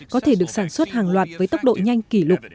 có thể được sản xuất hàng loạt với tốc độ cao